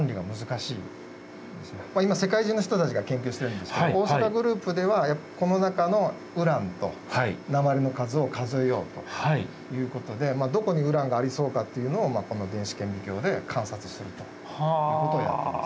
今世界中の人たちが研究してるんですけど大阪グループではこの中のウランと鉛の数を数えようということでどこにウランがありそうかっていうのをこの電子顕微鏡で観察するということをやっています。